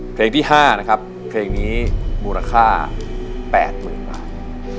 เพลงที่๕นะครับเพลงนี้มูลค่า๘๐๐๐บาท